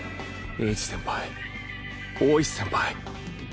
英二先輩大石先輩。